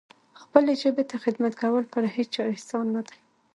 خپلې ژبې ته خدمت کول پر هیچا احسان نه دی.